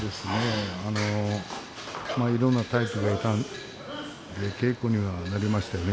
いろんなタイプがいたので稽古にはなりましたね。